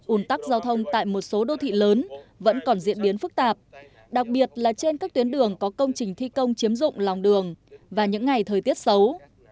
ủn tắc giao thông tại một số đô thị lớn vẫn còn diễn biến phức tạp đặc biệt là trên các tuyến đường có công trình thi công chiếm dụng lòng đường và những ngày thời tiết xấu